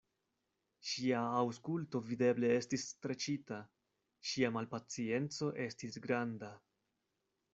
Ŝia aŭskulto videble estis streĉita, ŝia malpacienco estis granda.